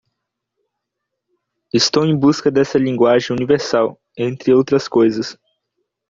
Estou em busca dessa linguagem universal? entre outras coisas.